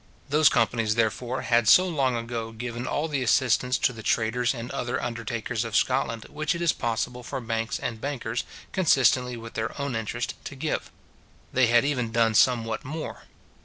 Those companies, therefore, had so long ago given all the assistance to the traders and other undertakers of Scotland which it is possible for banks and bankers, consistently with their own interest, to give. They had even done somewhat more.